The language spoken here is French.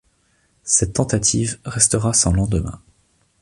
Cette tentative restera sans lendemain.